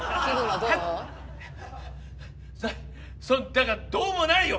だからどうもないよ！